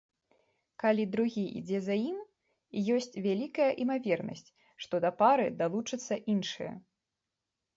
Калі другі ідзе за ім, ёсць вялікая імавернасць, што да пары далучацца іншыя.